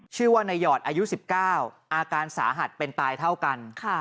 ชื่อว่านายหอดอายุ๑๙อาการสาหัสเป็นตายเท่ากัน